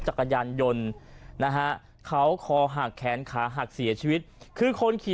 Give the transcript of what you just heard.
จักรยานยนต์นะฮะเขาคอหักแขนขาหักเสียชีวิตคือคนขี่